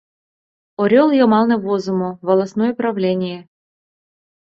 Орёл йымалне возымо: «Волостное правление».